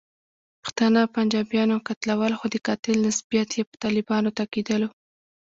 پښتانه پنجابیانو قتلول، خو د قاتل نسبیت یې طالبانو ته کېدلو.